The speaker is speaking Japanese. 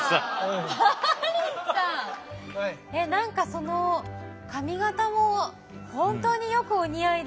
何かその髪形も本当によくお似合いで。